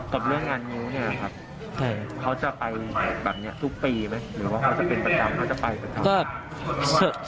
กับเรื่องงานงิ้วเนี่ยครับเขาจะไปแบบนี้ทุกปีไหมหรือว่าเขาจะเป็นประจำเขาจะไปประจำ